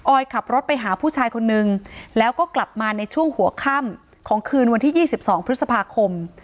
อยขับรถไปหาผู้ชายคนนึงแล้วก็กลับมาในช่วงหัวค่ำของคืนวันที่๒๒พฤษภาคม